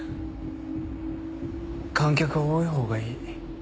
観客は多いほうがいい。